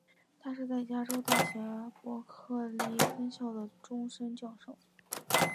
他是在加州大学伯克利分校的终身教授。